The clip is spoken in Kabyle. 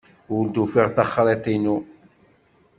Ur d-ufiɣ taxriḍt-inu.